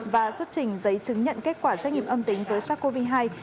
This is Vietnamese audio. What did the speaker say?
và xuất trình giấy chứng nhận kết quả doanh nghiệp âm tính với sars cov hai